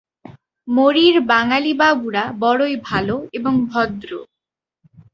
মরীর বাঙালী বাবুরা বড়ই ভাল এবং ভদ্র।